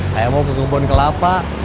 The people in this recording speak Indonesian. saya mau ke kebun kelapa